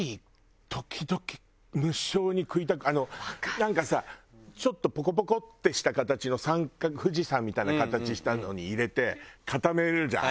なんかさちょっとポコポコってした形の三角富士山みたいな形したのに入れて固めるじゃん。